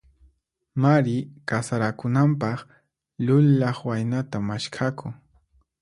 Mari kasarakunanpaq, lulaq waynata maskhakun.